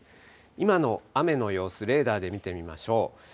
今の雨の様子、レーダーで見てみましょう。